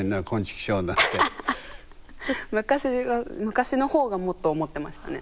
昔の方がもっと思ってましたね。